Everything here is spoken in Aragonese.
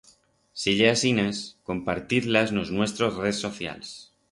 Si ye asinas, compartiz-las en os nuestros rez socials!